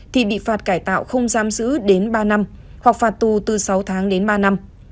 thì bị phạt cải tạo không giam giữ đến ba năm hoặc phạt tù từ sáu tháng đến ba năm